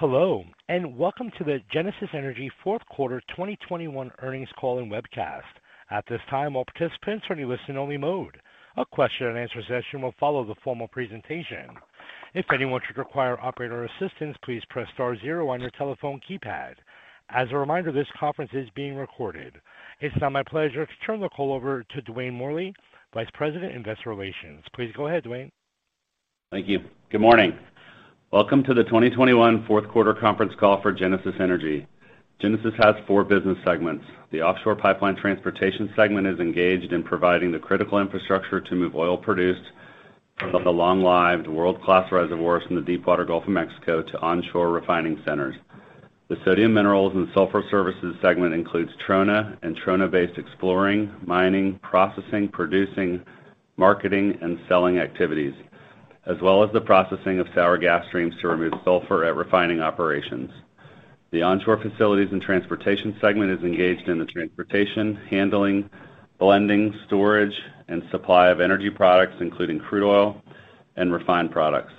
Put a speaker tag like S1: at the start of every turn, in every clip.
S1: Hello, and welcome to the Genesis Energy fourth quarter 2021 earnings call and webcast. At this time, all participants are in listen only mode. A question and answer session will follow the formal presentation. If anyone should require operator assistance, please press star zero on your telephone keypad. As a reminder, this conference is being recorded. It's now my pleasure to turn the call over to Dwayne Morley, Vice President, Investor Relations. Please go ahead, Dwayne.
S2: Thank you. Good morning. Welcome to the 2021 fourth quarter conference call for Genesis Energy. Genesis has four business segments. The offshore pipeline transportation segment is engaged in providing the critical infrastructure to move oil produced from the long-lived world-class reservoirs in the deepwater Gulf of Mexico to onshore refining centers. The sodium minerals and sulfur services segment includes trona and trona-based exploration, mining, processing, producing, marketing, and selling activities, as well as the processing of sour gas streams to remove sulfur at refining operations. The onshore facilities and transportation segment is engaged in the transportation, handling, blending, storage, and supply of energy products, including crude oil and refined products.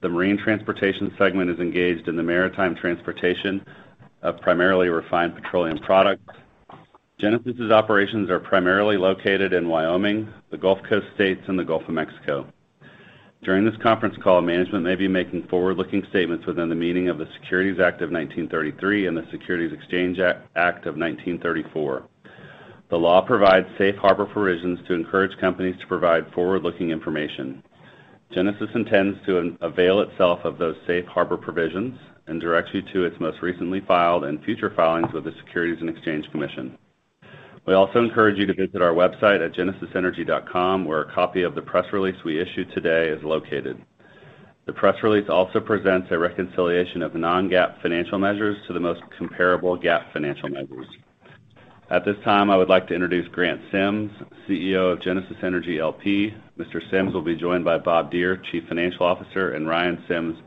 S2: The marine transportation segment is engaged in the maritime transportation of primarily refined petroleum products. Genesis's operations are primarily located in Wyoming, the Gulf Coast states, and the Gulf of Mexico. During this conference call, management may be making forward-looking statements within the meaning of the Securities Act of 1933 and the Securities Exchange Act of 1934. The law provides safe harbor provisions to encourage companies to provide forward-looking information. Genesis intends to avail itself of those safe harbor provisions and directs you to its most recently filed and future filings with the Securities and Exchange Commission. We also encourage you to visit our website at genesisenergy.com, where a copy of the press release we issued today is located. The press release also presents a reconciliation of non-GAAP financial measures to the most comparable GAAP financial measures. At this time, I would like to introduce Grant Sims, CEO of Genesis Energy LP. Mr. Sims will be joined by Bob Deere, Chief Financial Officer, and Ryan Sims,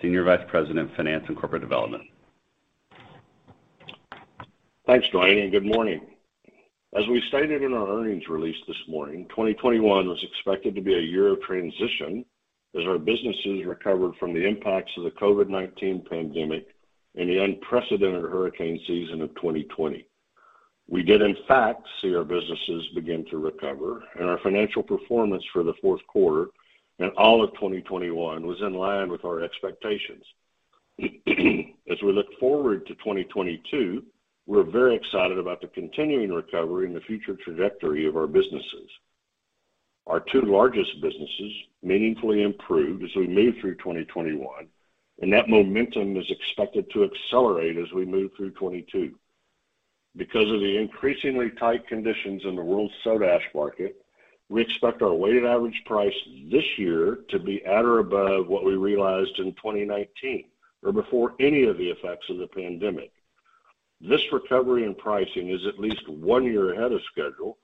S2: Senior Vice President, Finance and Corporate Development.
S3: Thanks, Dwayne, and good morning. As we stated in our earnings release this morning, 2021 was expected to be a year of transition as our businesses recovered from the impacts of the COVID-19 pandemic and the unprecedented hurricane season of 2020. We did in fact see our businesses begin to recover, and our financial performance for the fourth quarter and all of 2021 was in line with our expectations. As we look forward to 2022, we're very excited about the continuing recovery and the future trajectory of our businesses. Our two largest businesses meaningfully improved as we moved through 2021, and that momentum is expected to accelerate as we move through 2022. Because of the increasingly tight conditions in the world's soda ash market, we expect our weighted average price this year to be at or above what we realized in 2019 or before any of the effects of the pandemic. This recovery in pricing is at least one year ahead of schedule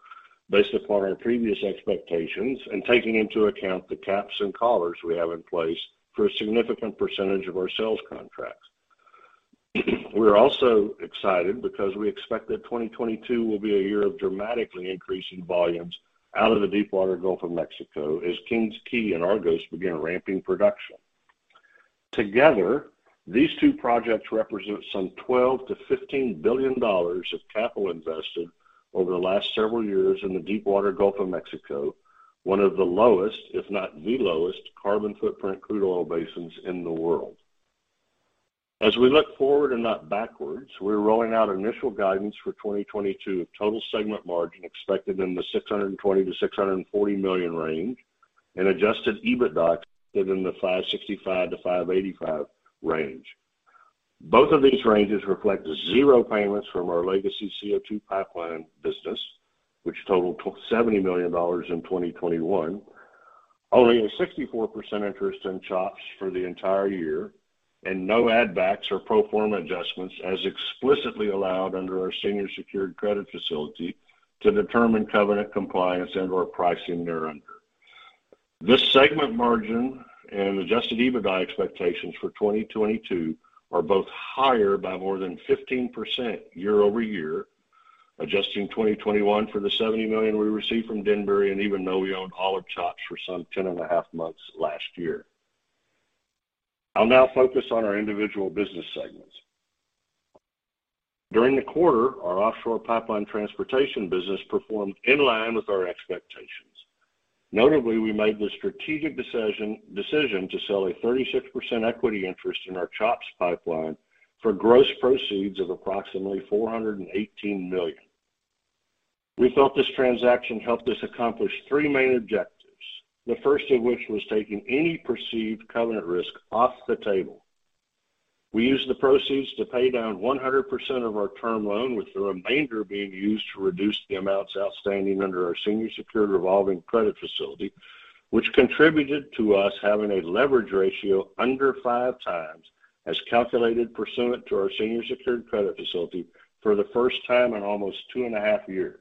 S3: based upon our previous expectations and taking into account the caps and collars we have in place for a significant percentage of our sales contracts. We're also excited because we expect that 2022 will be a year of dramatically increasing volumes out of the deepwater Gulf of Mexico as King's Quay and Argos begin ramping production. Together, these two projects represent some $12 billion-$15 billion of capital invested over the last several years in the deepwater Gulf of Mexico, one of the lowest, if not the lowest, carbon footprint crude oil basins in the world. As we look forward and not backwards, we're rolling out initial guidance for 2022 of total segment margin expected in the $620 million-$640 million range and adjusted EBITDA within the $565 million-$585 million range. Both of these ranges reflect zero payments from our legacy CO2 pipeline business, which totaled $70 million in 2021, owning a 64% interest in CHOPS for the entire year, and no add backs or pro forma adjustments as explicitly allowed under our senior secured credit facility to determine covenant compliance and/or pricing thereunder. This segment margin and adjusted EBITDA expectations for 2022 are both higher by more than 15% year-over-year, adjusting 2021 for the $70 million we received from Denbury and even though we owned all of CHOPS for some 10.5 months last year. I'll now focus on our individual business segments. During the quarter, our offshore pipeline transportation business performed in line with our expectations. Notably, we made the strategic decision to sell a 36% equity interest in our CHOPS pipeline for gross proceeds of approximately $418 million. We felt this transaction helped us accomplish three main objectives, the first of which was taking any perceived covenant risk off the table. We used the proceeds to pay down 100% of our term loan with the remainder being used to reduce the amounts outstanding under our senior secured revolving credit facility, which contributed to us having a leverage ratio under 5x as calculated pursuant to our senior secured credit facility for the first time in almost 2.5 years.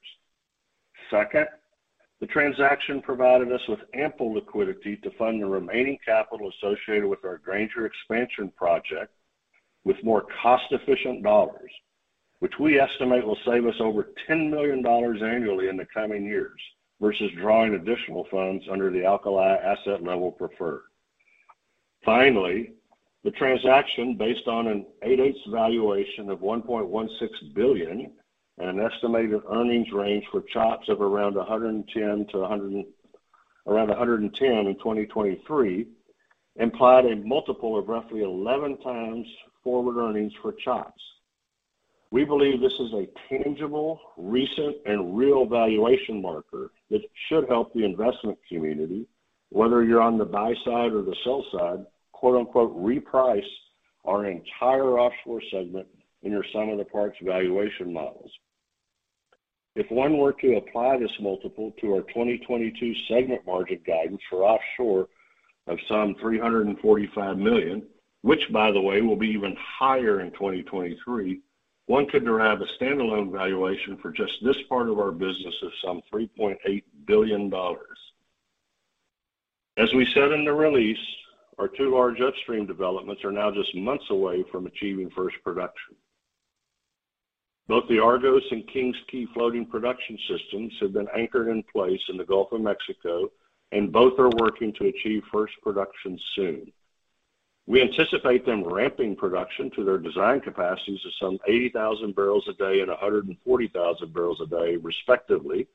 S3: Second, the transaction provided us with ample liquidity to fund the remaining capital associated with our Granger expansion project with more cost-efficient dollars, which we estimate will save us over $10 million annually in the coming years versus drawing additional funds under the Alkali asset-level preferred. Finally, the transaction, based on an 8.8x valuation of $1.16 billion and an estimated earnings range for CHOPS of around $110 million in 2023, implied a multiple of roughly 11x forward earnings for CHOPS. We believe this is a tangible, recent and real valuation marker that should help the investment community, whether you're on the buy side or the sell side, quote-unquote, reprice our entire offshore segment in your sum of the parts valuation models. If one were to apply this multiple to our 2022 segment margin guidance for offshore of some $345 million, which by the way will be even higher in 2023, one could derive a standalone valuation for just this part of our business of some $3.8 billion. As we said in the release, our two large upstream developments are now just months away from achieving first production. Both the Argos and King's Quay floating production systems have been anchored in place in the Gulf of Mexico, and both are working to achieve first production soon. We anticipate them ramping production to their design capacities of some 80,000 barrels a day and 140,000 barrels a day, respectively,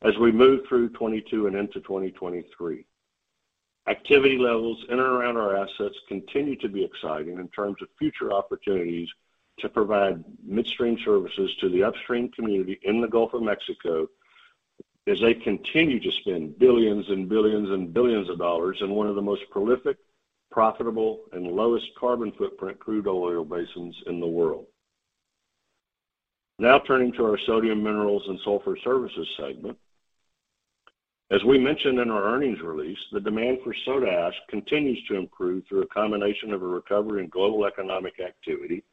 S3: as we move through 2022 and into 2023. Activity levels in and around our assets continue to be exciting in terms of future opportunities to provide midstream services to the upstream community in the Gulf of Mexico as they continue to spend billions and billions and billions of dollars in one of the most prolific, profitable, and lowest carbon footprint crude oil basins in the world. Now turning to our Sodium Minerals and Sulfur Services segment. As we mentioned in our earnings release, the demand for soda ash continues to improve through a combination of a recovery in global economic activity,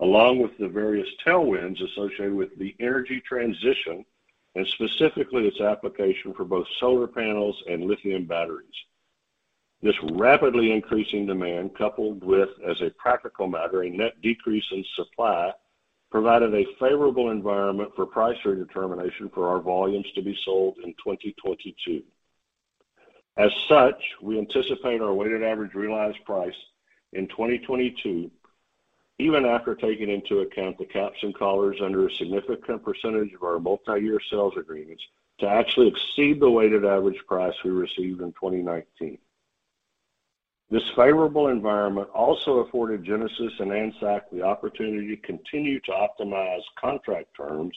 S3: along with the various tailwinds associated with the energy transition and specifically its application for both solar panels and lithium batteries. This rapidly increasing demand, coupled with, as a practical matter, a net decrease in supply, provided a favorable environment for price redetermination for our volumes to be sold in 2022. As such, we anticipate our weighted average realized price in 2022, even after taking into account the caps and collars under a significant percentage of our multi-year sales agreements, to actually exceed the weighted average price we received in 2019. This favorable environment also afforded Genesis and ANSAC the opportunity to continue to optimize contract terms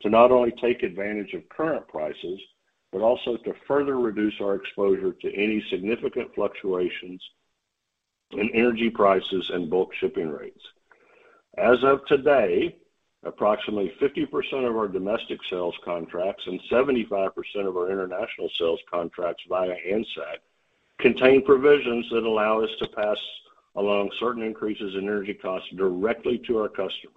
S3: to not only take advantage of current prices, but also to further reduce our exposure to any significant fluctuations in energy prices and bulk shipping rates. As of today, approximately 50% of our domestic sales contracts and 75% of our international sales contracts via ANSAC contain provisions that allow us to pass along certain increases in energy costs directly to our customers.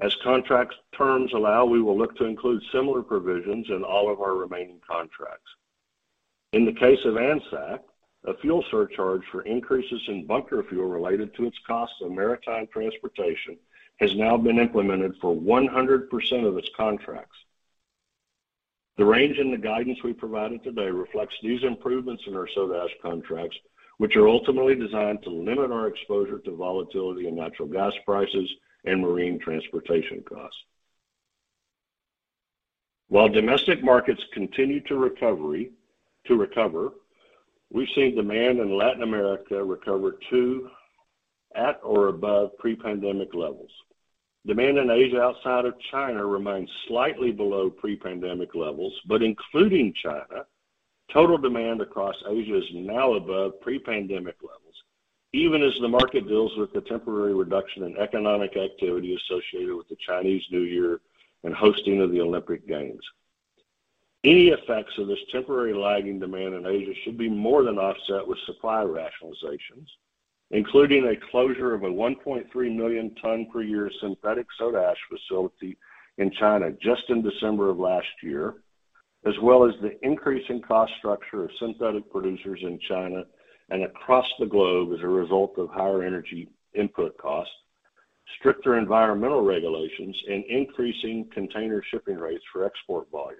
S3: As contract terms allow, we will look to include similar provisions in all of our remaining contracts. In the case of ANSAC, a fuel surcharge for increases in bunker fuel related to its costs of maritime transportation has now been implemented for 100% of its contracts. The range in the guidance we provided today reflects these improvements in our soda ash contracts, which are ultimately designed to limit our exposure to volatility in natural gas prices and marine transportation costs. While domestic markets continue to recover, we've seen demand in Latin America recover to at or above pre-pandemic levels. Demand in Asia outside of China remains slightly below pre-pandemic levels, but including China, total demand across Asia is now above pre-pandemic levels, even as the market deals with the temporary reduction in economic activity associated with the Chinese New Year and hosting of the Olympic Games. Any effects of this temporary lagging demand in Asia should be more than offset with supply rationalizations, including a closure of a 1.3 million tons per year synthetic soda ash facility in China just in December of last year, as well as the increase in cost structure of synthetic producers in China and across the globe as a result of higher energy input costs, stricter environmental regulations, and increasing container shipping rates for export volumes.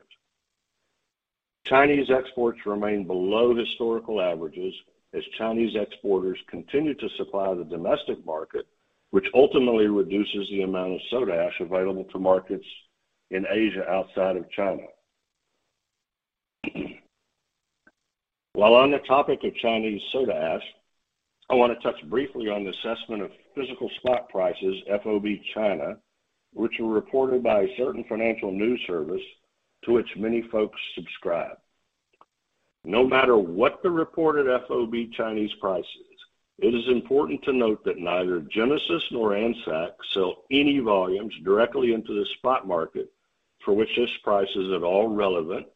S3: Chinese exports remain below historical averages as Chinese exporters continue to supply the domestic market, which ultimately reduces the amount of soda ash available to markets in Asia outside of China. While on the topic of Chinese soda ash, I want to touch briefly on the assessment of physical spot prices, FOB China, which were reported by a certain financial news service to which many folks subscribe. No matter what the reported FOB Chinese price is, it is important to note that neither Genesis nor ANSAC sell any volumes directly into the spot market for which this price is at all relevant,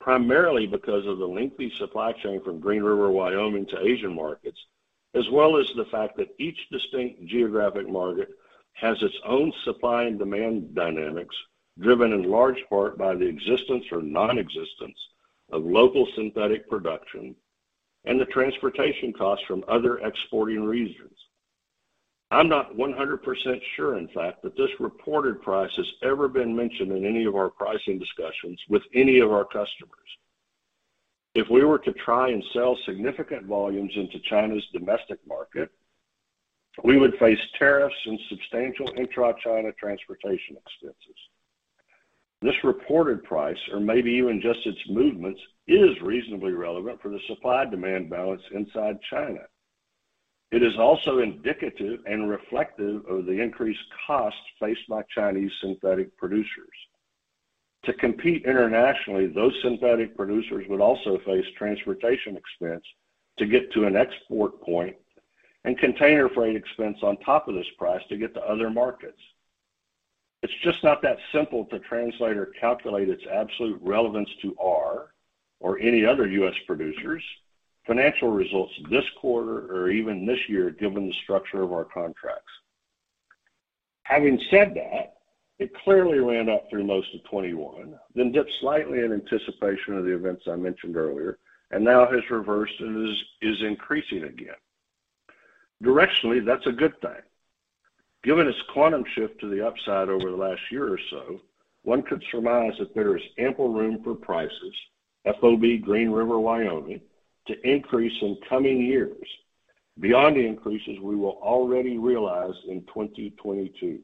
S3: primarily because of the lengthy supply chain from Green River, Wyoming, to Asian markets. As well as the fact that each distinct geographic market has its own supply and demand dynamics, driven in large part by the existence or non-existence of local synthetic production and the transportation costs from other exporting regions. I'm not 100% sure, in fact, that this reported price has ever been mentioned in any of our pricing discussions with any of our customers. If we were to try and sell significant volumes into China's domestic market, we would face tariffs and substantial intra-China transportation expenses. This reported price, or maybe even just its movements, is reasonably relevant for the supply-demand balance inside China. It is also indicative and reflective of the increased costs faced by Chinese synthetic producers. To compete internationally, those synthetic producers would also face transportation expense to get to an export point and container freight expense on top of this price to get to other markets. It's just not that simple to translate or calculate its absolute relevance to our, or any other U.S. producers' financial results this quarter or even this year, given the structure of our contracts. Having said that, it clearly ran up through most of 2021, then dipped slightly in anticipation of the events I mentioned earlier, and now has reversed and is increasing again. Directionally, that's a good thing. Given this quantum shift to the upside over the last year or so, one could surmise that there is ample room for prices, FOB Green River, Wyoming, to increase in coming years beyond the increases we will already realize in 2022.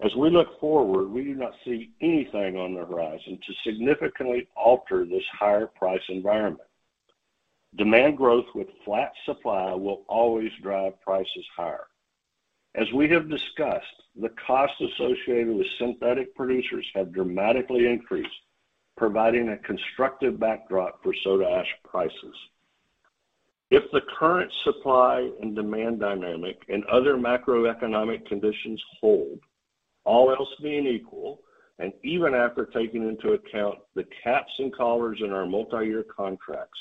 S3: As we look forward, we do not see anything on the horizon to significantly alter this higher price environment. Demand growth with flat supply will always drive prices higher. As we have discussed, the cost associated with synthetic producers have dramatically increased, providing a constructive backdrop for soda ash prices. If the current supply and demand dynamic and other macroeconomic conditions hold, all else being equal, and even after taking into account the caps and collars in our multi-year contracts,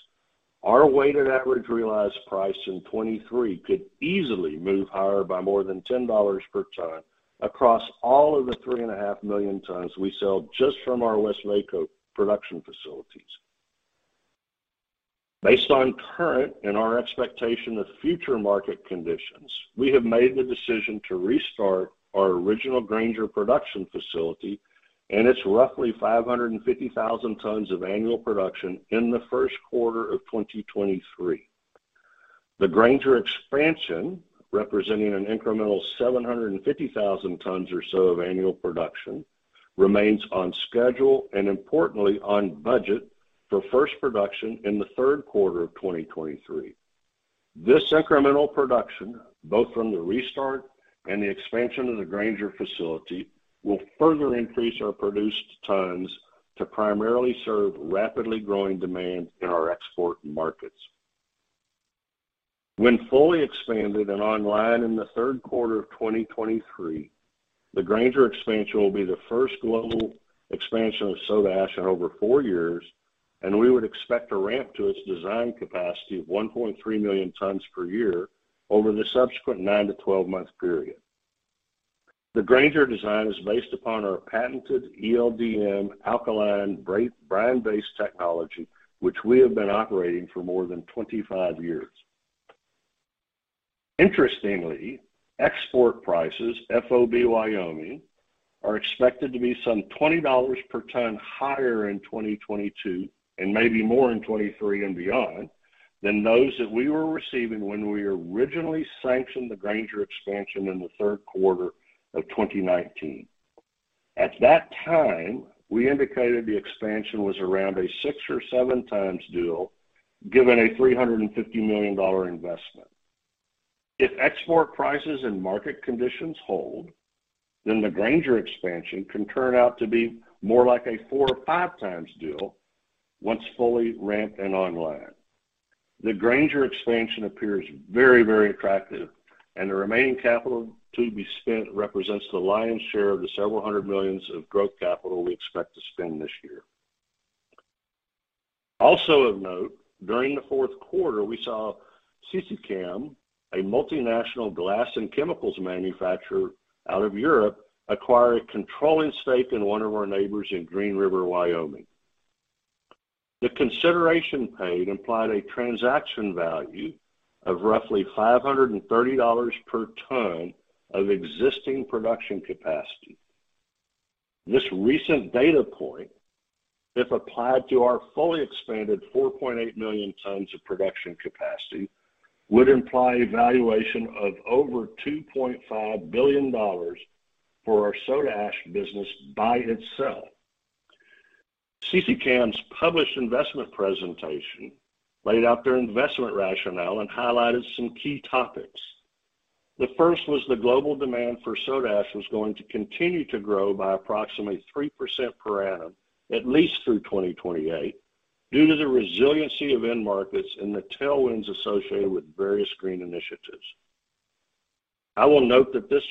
S3: our weighted average realized price in 2023 could easily move higher by more than $10 per ton across all of the 3.5 million tons we sell just from our Westvaco production facilities. Based on current and our expectation of future market conditions, we have made the decision to restart our original Granger production facility and its roughly 550,000 tons of annual production in the first quarter of 2023. The Granger expansion, representing an incremental 750,000 tons or so of annual production, remains on schedule, and importantly, on budget for first production in the third quarter of 2023. This incremental production, both from the restart and the expansion of the Granger facility, will further increase our produced tons to primarily serve rapidly growing demand in our export markets. When fully expanded and online in the third quarter of 2023, the Granger expansion will be the first global expansion of soda ash in over four years, and we would expect to ramp to its design capacity of 1.3 million tons per year over the subsequent nine- to 12-month period. The Granger design is based upon our patented ELDM alkali brine-based technology, which we have been operating for more than 25 years. Interestingly, export prices, FOB Wyoming, are expected to be some $20 per ton higher in 2022, and maybe more in 2023 and beyond, than those that we were receiving when we originally sanctioned the Granger expansion in the third quarter of 2019. At that time, we indicated the expansion was around a 6x or 7x deal, given a $350 million investment. If export prices and market conditions hold, then the Granger expansion can turn out to be more like a 4x or 5x deal once fully ramped and online. The Granger expansion appears very, very attractive, and the remaining capital to be spent represents the lion's share of the several hundred million of growth capital we expect to spend this year. Also of note, during the fourth quarter, we saw CIECH, a multinational glass and chemicals manufacturer out of Europe, acquire a controlling stake in one of our neighbors in Green River, Wyoming. The consideration paid implied a transaction value of roughly $530 per ton of existing production capacity. This recent data point, if applied to our fully expanded 4.8 million tons of production capacity, would imply a valuation of over $2.5 billion for our soda ash business by itself. CIECH's published investment presentation laid out their investment rationale and highlighted some key topics. The first was the global demand for soda ash was going to continue to grow by approximately 3% per annum, at least through 2028, due to the resiliency of end markets and the tailwinds associated with various green initiatives. I will note that this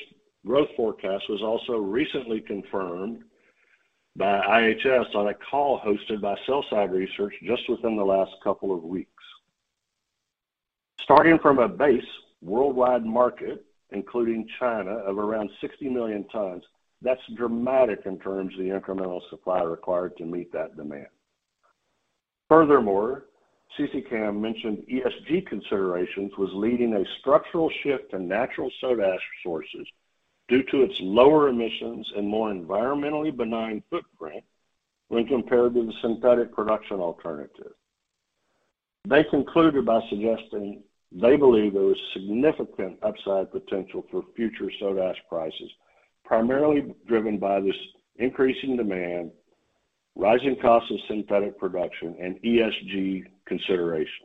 S3: growth forecast was also recently confirmed by IHS on a call hosted by sell-side research just within the last couple of weeks. Starting from a base worldwide market, including China, of around 60 million tons, that's dramatic in terms of the incremental supply required to meet that demand. Furthermore, CIECH mentioned ESG considerations was leading a structural shift to natural soda ash sources due to its lower emissions and more environmentally benign footprint when compared to the synthetic production alternative. They concluded by suggesting they believe there is significant upside potential for future soda ash prices, primarily driven by this increase in demand, rising costs of synthetic production, and ESG considerations.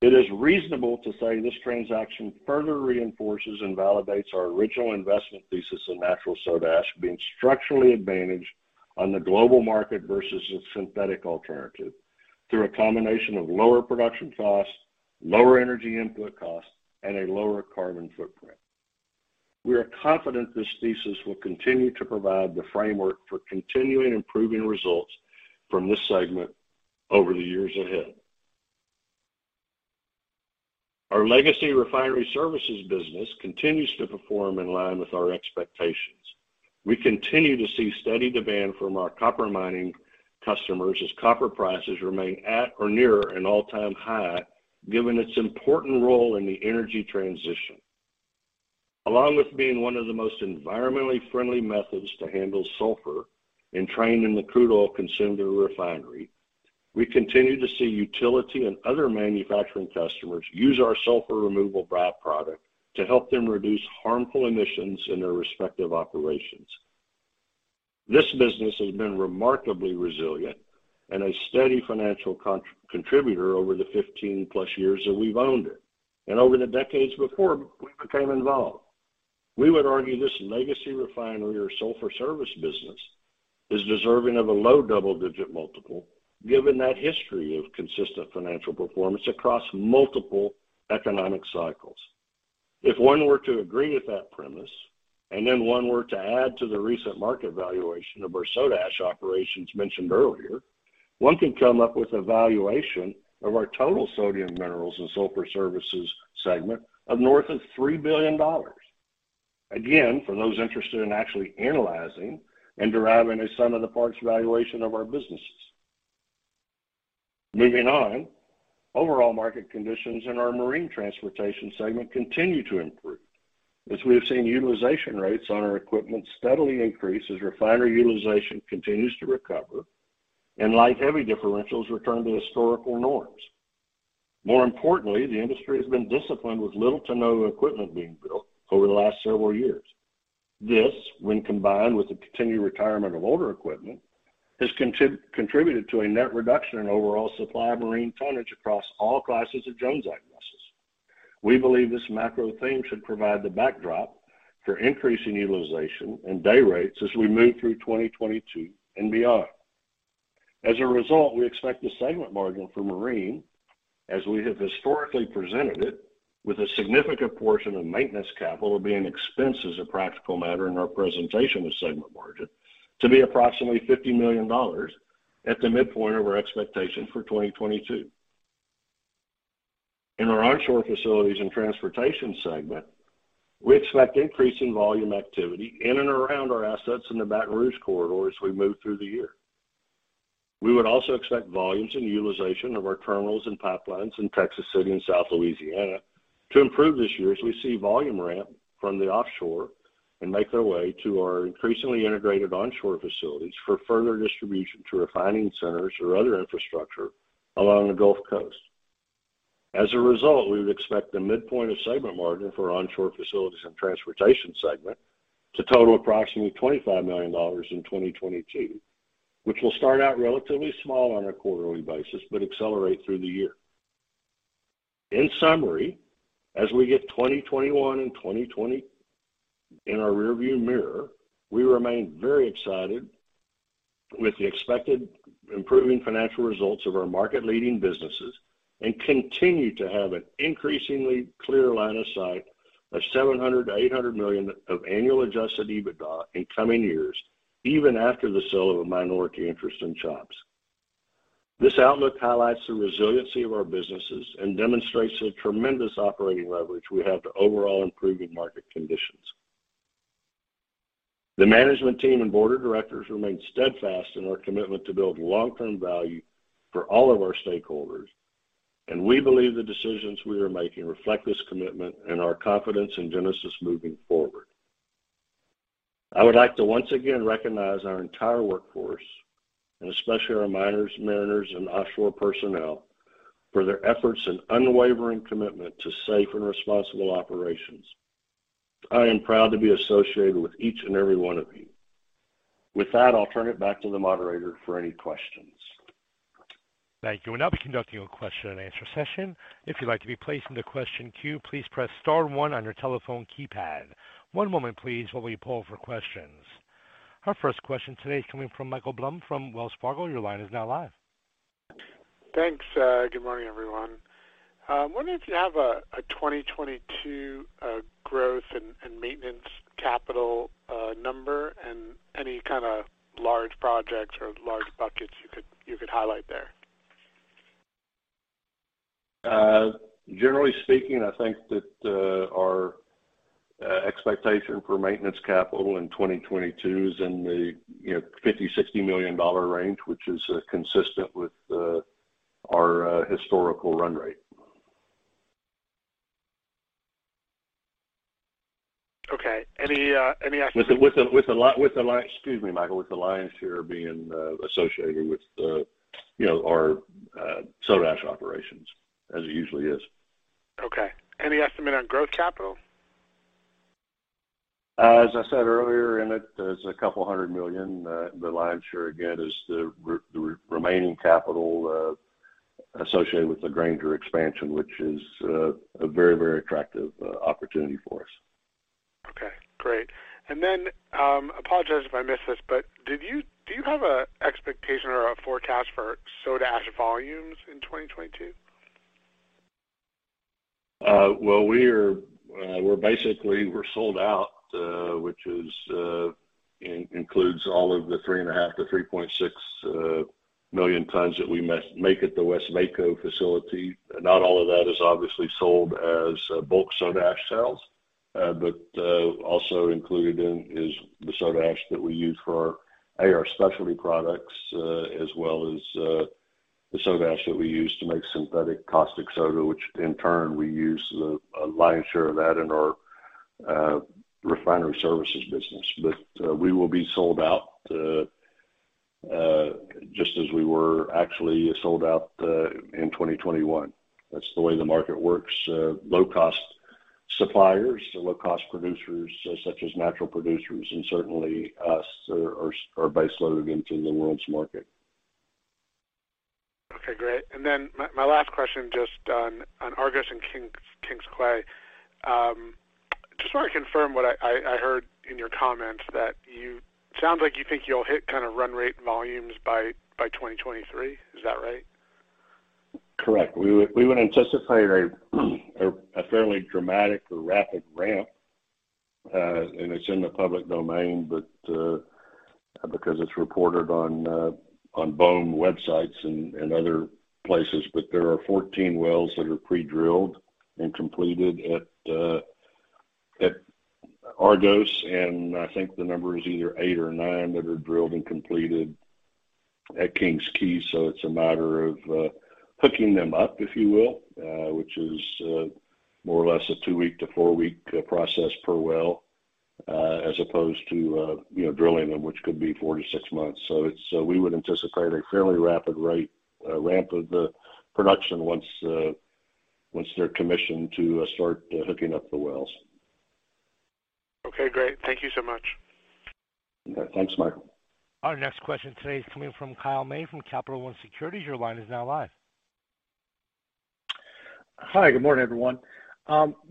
S3: It is reasonable to say this transaction further reinforces and validates our original investment thesis of natural soda ash being structurally advantaged on the global market versus its synthetic alternative through a combination of lower production costs, lower energy input costs, and a lower carbon footprint. We are confident this thesis will continue to provide the framework for continually improving results from this segment over the years ahead. Our legacy refinery services business continues to perform in line with our expectations. We continue to see steady demand from our copper mining customers as copper prices remain at or near an all-time high, given its important role in the energy transition. Along with being one of the most environmentally friendly methods to handle sulfur and trona in the crude oil consumed in the refinery, we continue to see utility and other manufacturing customers use our sulfur removal by-product to help them reduce harmful emissions in their respective operations. This business has been remarkably resilient and a steady financial contributor over the 15+ years that we've owned it, and over the decades before we became involved. We would argue this legacy refinery or sulfur service business is deserving of a low double-digit multiple given that history of consistent financial performance across multiple economic cycles. If one were to agree with that premise, and then one were to add to the recent market valuation of our soda ash operations mentioned earlier, one could come up with a valuation of our total sodium minerals and sulfur services segment of north of $3 billion. Again, for those interested in actually analyzing and deriving a sum of the parts valuation of our businesses. Moving on. Overall market conditions in our marine transportation segment continue to improve as we have seen utilization rates on our equipment steadily increase as refinery utilization continues to recover and light-heavy differentials return to historical norms. More importantly, the industry has been disciplined with little to no equipment being built over the last several years. This, when combined with the continued retirement of older equipment, has contributed to a net reduction in overall supply of marine tonnage across all classes of Jones Act vessels. We believe this macro theme should provide the backdrop for increasing utilization and day rates as we move through 2022 and beyond. As a result, we expect the segment margin for marine, as we have historically presented it, with a significant portion of maintenance capital being expensed as a practical matter in our presentation of segment margin, to be approximately $50 million at the midpoint of our expectation for 2022. In our onshore facilities and transportation segment, we expect increasing volume activity in and around our assets in the Baton Rouge corridor as we move through the year. We would also expect volumes and utilization of our terminals and pipelines in Texas City and South Louisiana to improve this year as we see volume ramp from the offshore and make their way to our increasingly integrated onshore facilities for further distribution to refining centers or other infrastructure along the Gulf Coast. As a result, we would expect the midpoint of Segment Margin for Onshore Facilities and Transportation segment to total approximately $25 million in 2022, which will start out relatively small on a quarterly basis, but accelerate through the year. In summary, as we get 2021 and 2020 in our rearview mirror, we remain very excited with the expected improving financial results of our market-leading businesses and continue to have an increasingly clear line of sight of $700 million-$800 million of annual adjusted EBITDA in coming years, even after the sale of a minority interest in CHOPS. This outlook highlights the resiliency of our businesses and demonstrates the tremendous operating leverage we have to overall improving market conditions. The management team and board of directors remain steadfast in our commitment to build long-term value for all of our stakeholders, and we believe the decisions we are making reflect this commitment and our confidence in Genesis moving forward. I would like to once again recognize our entire workforce, and especially our miners, mariners, and offshore personnel, for their efforts and unwavering commitment to safe and responsible operations. I am proud to be associated with each and every one of you. With that, I'll turn it back to the moderator for any questions.
S1: Thank you. We'll now be conducting a question and answer session. If you'd like to be placed into question queue, please press star one on your telephone keypad. One moment please while we poll for questions. Our first question today is coming from Michael Blum from Wells Fargo. Your line is now live.
S4: Thanks. Good morning, everyone. Wondering if you have a 2022 growth and maintenance capital number and any kind of large projects or large buckets you could highlight there?
S3: Generally speaking, I think that our expectation for maintenance capital in 2022 is in the, you know, $50-$60 million range, which is consistent with our historical run rate.
S4: Okay. Any estimate?
S3: Excuse me, Michael, with the lion's share being associated with the, you know, our soda ash operations as it usually is.
S4: Okay. Any estimate on growth capital?
S3: As I said earlier in it, there's $200 million. The lion's share again is the remaining capital associated with the Granger expansion, which is a very, very attractive opportunity for us.
S4: Okay, great. Apologize if I missed this, but do you have a expectation or a forecast for soda ash volumes in 2022?
S3: Well, we are, we're basically sold out, which includes all of the 3.5-3.6 million tons that we make at the Westvaco facility. Not all of that is obviously sold as bulk soda ash sales, but also included in is the soda ash that we use for our specialty products, as well as the soda ash that we use to make synthetic caustic soda, which in turn we use the lion's share of that in our refinery services business. We will be sold out, just as we were actually sold out in 2021. That's the way the market works. Low cost suppliers or low cost producers, such as natural producers and certainly us are base loaded into the world's market.
S4: Okay, great. My last question just on Argos and King's Quay. Just wanna confirm what I heard in your comments sounds like you think you'll hit kind of run rate volumes by 2023. Is that right?
S3: Correct. We would anticipate a fairly dramatic or rapid ramp, and it's in the public domain, but because it's reported on BOEM websites and other places. There are 14 wells that are pre-drilled and completed at Argos, and I think the number is either eight or nine that are drilled and completed at King's Quay. It's a matter of hooking them up, if you will, which is more or less a two-week to four-week process per well, as opposed to you know, drilling them, which could be four to six months. We would anticipate a fairly rapid rate ramp of the production once they're commissioned to start hooking up the wells.
S4: Okay, great. Thank you so much.
S3: Okay. Thanks, Michael.
S1: Our next question today is coming from Kyle May from Capital One Securities. Your line is now live.
S5: Hi, good morning, everyone.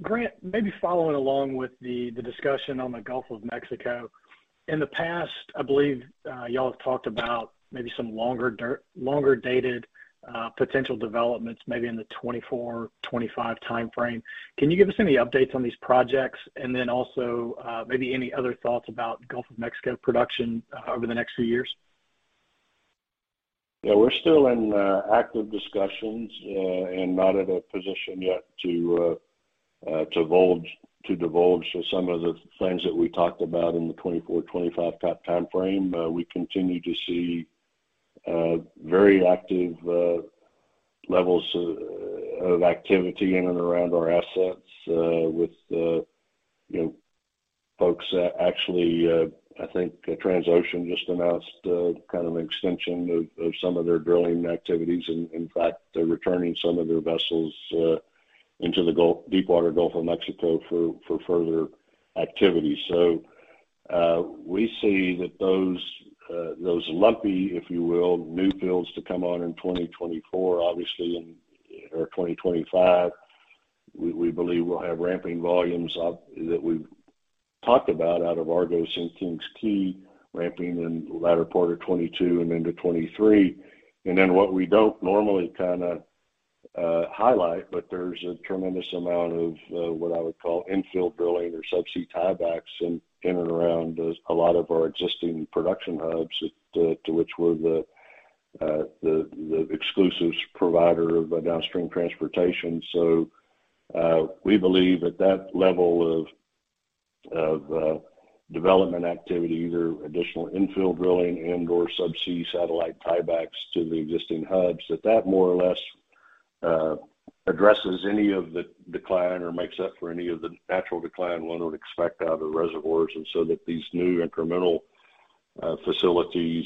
S5: Grant, maybe following along with the discussion on the Gulf of Mexico. In the past, I believe, y'all have talked about maybe some longer-dated potential developments maybe in the 2024, 2025 timeframe. Can you give us any updates on these projects? Maybe any other thoughts about Gulf of Mexico production over the next few years?
S3: Yeah, we're still in active discussions and not at a position yet to divulge some of the things that we talked about in the 2024-2025 timeframe. We continue to see very active levels of activity in and around our assets with you know folks that actually I think Transocean just announced kind of an extension of some of their drilling activities. In fact, they're returning some of their vessels into the Gulf, deepwater Gulf of Mexico for further activity. We see that those lumpy, if you will, new builds to come on in 2024, obviously in... Or 2025, we believe we'll have ramping volumes up that we've talked about out of Argos and King's Quay ramping in latter part of 2022 and into 2023. Then what we don't normally kinda highlight, but there's a tremendous amount of what I would call infill drilling or subsea tiebacks in and around a lot of our existing production hubs to which we're the exclusive provider of downstream transportation. We believe at that level of development activity, either additional infill drilling and/or subsea satellite tiebacks to the existing hubs, that more or less addresses any of the decline or makes up for any of the natural decline one would expect out of reservoirs. That these new incremental facilities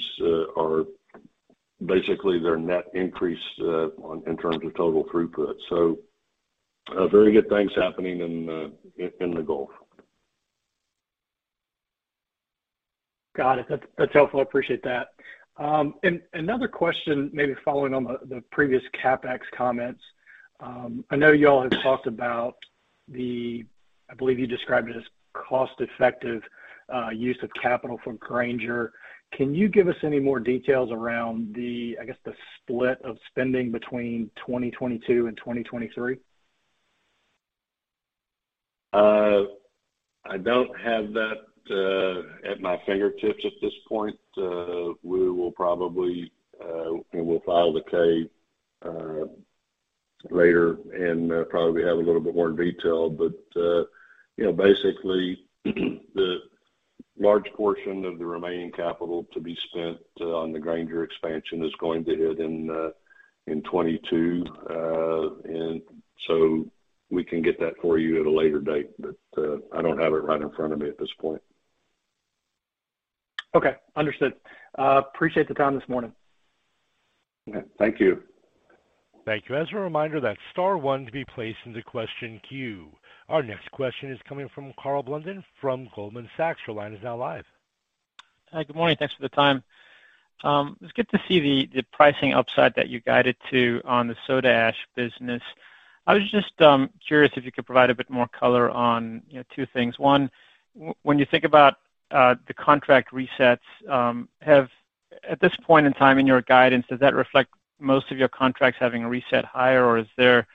S3: are basically a net increase in terms of total throughput. Very good things happening in the Gulf.
S5: Got it. That's helpful. I appreciate that. Another question maybe following on the previous CapEx comments. I know y'all have talked about the I believe you described it as cost-effective use of capital from Granger. Can you give us any more details around the, I guess, the split of spending between 2022 and 2023?
S3: I don't have that at my fingertips at this point. We will probably, when we file the K, later and, probably have a little bit more detail. You know, basically, the large portion of the remaining capital to be spent on the Granger expansion is going to hit in 2022. We can get that for you at a later date, but I don't have it right in front of me at this point.
S5: Okay. Understood. Appreciate the time this morning.
S3: Thank you.
S1: Thank you. As a reminder, that's star one to be placed into question queue. Our next question is coming from Karl Blunden from Goldman Sachs. Your line is now live.
S6: Hi, good morning. Thanks for the time. It's good to see the pricing upside that you guided to on the soda ash business. I was just curious if you could provide a bit more color on, you know, two things. One, when you think about the contract resets, at this point in time in your guidance, does that reflect most of your contracts having a reset higher? Or is there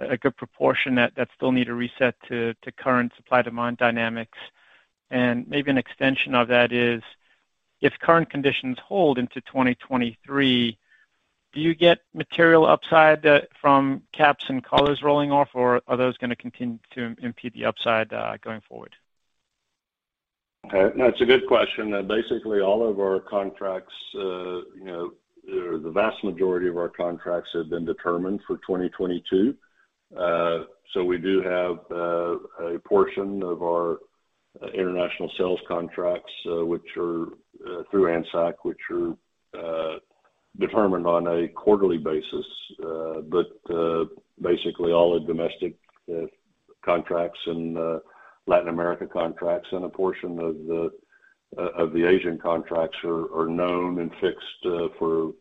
S6: a good proportion that still need to reset to current supply and demand dynamics? Maybe an extension of that is, if current conditions hold into 2023, do you get material upside from caps and collars rolling off? Or are those gonna continue to impede the upside going forward?
S3: Okay. No, it's a good question. Basically all of our contracts, you know, or the vast majority of our contracts have been determined for 2022. We do have a portion of our international sales contracts, which are through ANSAC, which are determined on a quarterly basis. Basically all the domestic contracts and Latin America contracts and a portion of the Asian contracts are known and fixed for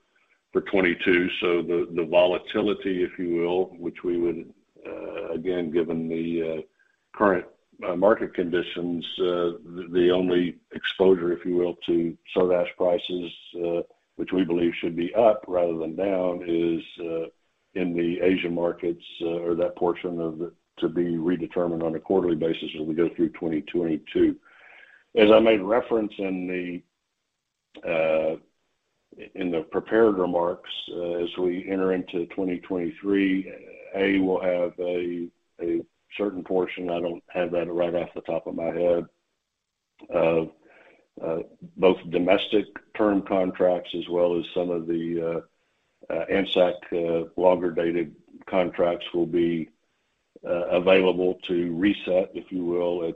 S3: 2022. The volatility, if you will, which we would again given the current market conditions, the only exposure, if you will, to soda ash prices, which we believe should be up rather than down, is in the Asian markets, or that portion of it to be redetermined on a quarterly basis as we go through 2022. I made reference in the prepared remarks, as we enter into 2023, we'll have a certain portion, I don't have that right off the top of my head, of both domestic term contracts as well as some of the ANSAC longer dated contracts will be available to reset, if you will,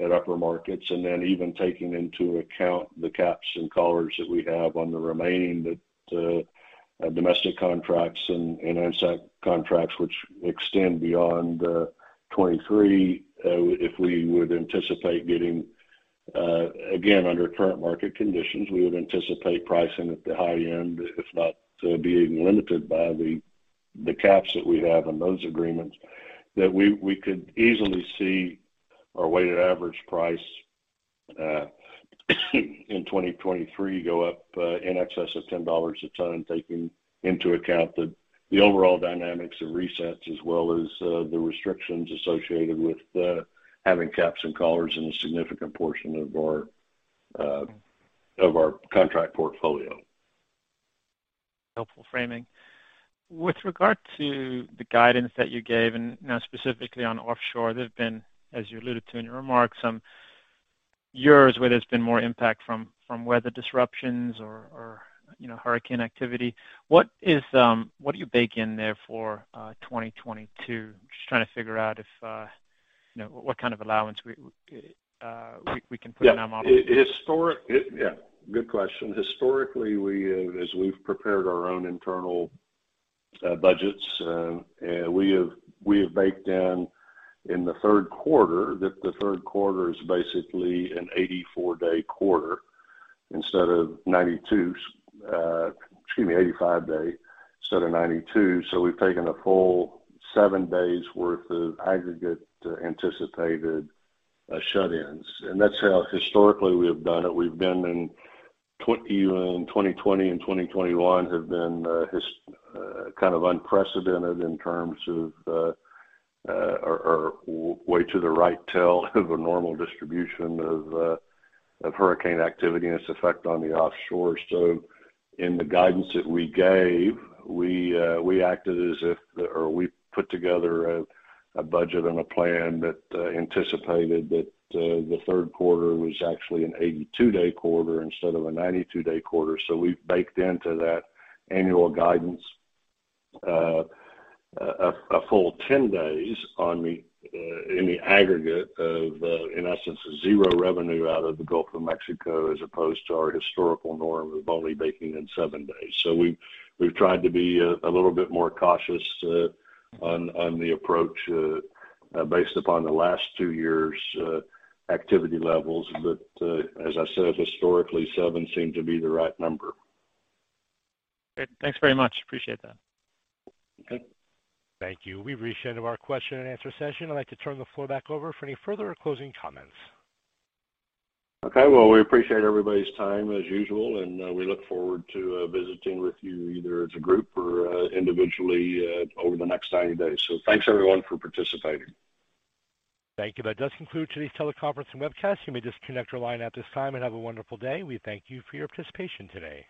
S3: at upper markets. Even taking into account the caps and collars that we have on the remaining domestic contracts and ANSAC contracts, which extend beyond 2023. If we would anticipate getting, again, under current market conditions, we would anticipate pricing at the high end, if not being limited by the caps that we have on those agreements, that we could easily see our weighted average price in 2023 go up in excess of $10 a ton, taking into account the overall dynamics of resets as well as the restrictions associated with having caps and collars in a significant portion of our contract portfolio.
S6: Helpful framing. With regard to the guidance that you gave and, you know, specifically on offshore, there have been, as you alluded to in your remarks, some years where there's been more impact from weather disruptions or, you know, hurricane activity. What do you bake in there for 2022? Just trying to figure out if, you know, what kind of allowance we can put in our model.
S3: Yeah, good question. Historically, as we've prepared our own internal budgets, we have baked in the third quarter, that the third quarter is basically an 84-day quarter instead of 92. 85-day instead of 92. So we've taken a full seven days' worth of aggregate anticipated shut-ins. That's how historically we have done it. Even in 2020 and 2021 have been kind of unprecedented in terms of or way out to the right tail of a normal distribution of hurricane activity and its effect on the offshore. In the guidance that we gave, we acted as if, or we put together a budget and a plan that anticipated that the third quarter was actually an 82-day quarter instead of a 92-day quarter. We've baked into that annual guidance a full 10 days, in the aggregate, of, in essence, zero revenue out of the Gulf of Mexico, as opposed to our historical norm of only baking in seven days. We've tried to be a little bit more cautious on the approach based upon the last two years' activity levels. But as I said, historically, seven seemed to be the right number.
S6: Great. Thanks very much. I appreciate that.
S3: Okay.
S1: Thank you. We've reached the end of our question and answer session. I'd like to turn the floor back over for any further closing comments.
S3: Okay. Well, we appreciate everybody's time as usual, and we look forward to visiting with you either as a group or individually over the next 90 days. Thanks everyone for participating.
S1: Thank you. That does conclude today's teleconference and webcast. You may disconnect your line at this time, and have a wonderful day. We thank you for your participation today.